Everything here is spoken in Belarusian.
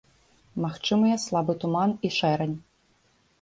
Магчымыя слабы туман і шэрань.